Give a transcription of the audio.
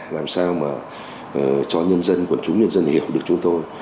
làm sao mà cho nhân dân quận chúng nhân dân hiểu được chúng tôi